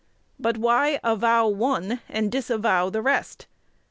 But why avow one, and disavow the rest?